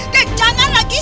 dan jangan lagi disini